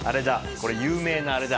これ有名なあれだ。